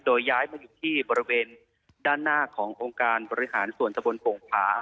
โดยย้ายมาอยู่ที่บริเวณด้านหน้าขององค์การบริหารส่วนตะบนโป่งผา